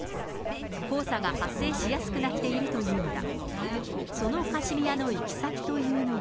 黄砂が発生しやすくなっているというのだ。